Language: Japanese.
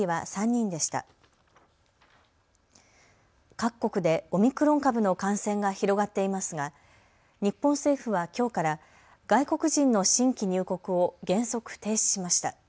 各国でオミクロン株の感染が広がっていますが日本政府はきょうから外国人の新規入国を原則停止しました。